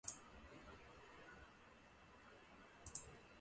昔人已乘黄鹤去，此地空余黄鹤楼。